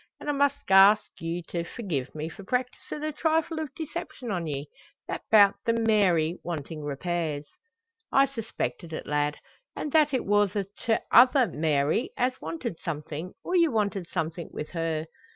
An' I must ask you to forgie me for practisin' a trifle o' deception on ye that 'bout the Mary wantin' repairs." "I suspected it, lad; an' that it wor the tother Mary as wanted something, or you wanted something wi' her.